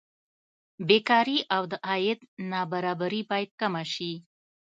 بېکاري او د عاید نابرابري باید کمه شي.